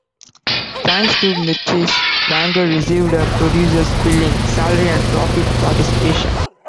Thanks to Mirisch, Wanger received a producer's billing, salary and profit participation.